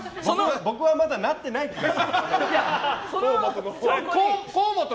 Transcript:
僕はまだなってない気がする。